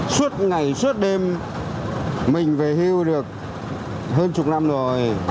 suốt ngày suốt đêm mình về hưu được hơn chục năm rồi